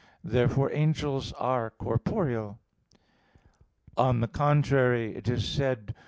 Therefore angels are corporeal. On the contrary, It is said (Ps.